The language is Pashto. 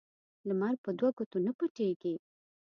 لمر په دوه ګوتو نه پټیږي